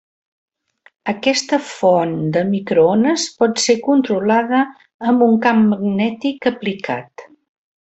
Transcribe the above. Aquesta font de microones pot ser controlada amb un camp magnètic aplicat.